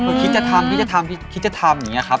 คือคิดจะทำคิดจะทำพี่คิดจะทำอย่างนี้ครับ